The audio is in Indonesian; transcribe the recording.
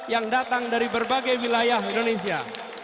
yang datang dari berbagai wilayah indonesia